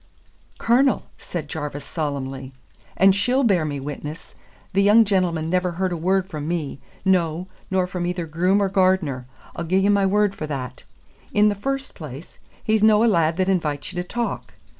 "Cornel," said Jarvis solemnly, "and she'll bear me witness, the young gentleman never heard a word from me no, nor from either groom or gardener; I'll gie ye my word for that. In the first place, he's no a lad that invites ye to talk.